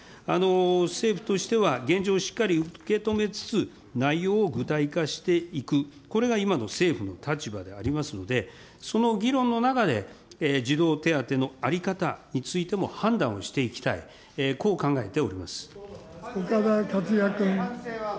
政府としては、現状をしっかり受け止めつつ、内容を具体化していく、これが今の政府の立場でありますので、その議論の中で、児童手当の在り方についても判断をしていきたい、こう考えており岡田克也君。